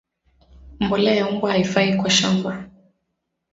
Mbolea ya mbwa haifai kwa shamba